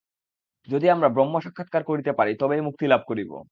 যদি আমরা ব্রহ্ম সাক্ষাৎকার করিতে পারি, তবেই মুক্তিলাভ করিব।